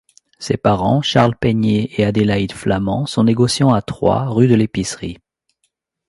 Ses parents, Charles Peigné et Adélaïde Flamant, sont négociant à Troyes, rue de l'Épicerie.